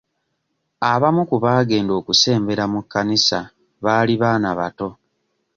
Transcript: Abamu ku baagenda okusembera mu kkanisa baali baana bato.